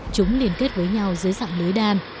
chúng liên kết với nhau dưới dạng lưới đan